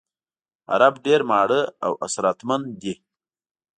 عرب ډېر ماړه او اسراتمن دي.